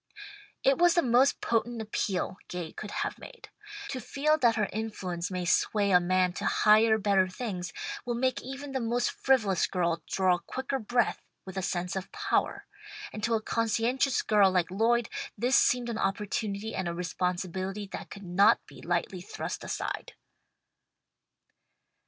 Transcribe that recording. It was the most potent appeal Gay could have made. To feel that her influence may sway a man to higher, better things, will make even the most frivolous girl draw quicker breath with a sense of power, and to a conscientious girl like Lloyd this seemed an opportunity and a responsibility that could not be lightly thrust aside.